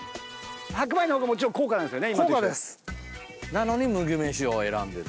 なのに麦飯を選んでる。